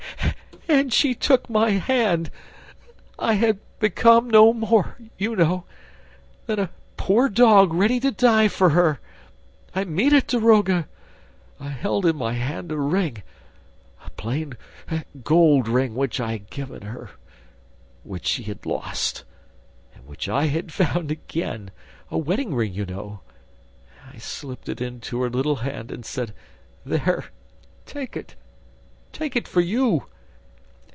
... AND SHE TOOK MY HAND! ... I had become no more, you know, than a poor dog ready to die for her ... I mean it, daroga! ... I held in my hand a ring, a plain gold ring which I had given her ... which she had lost ... and which I had found again ... a wedding ring, you know ... I slipped it into her little hand and said, 'There! ... Take it! ... Take it for you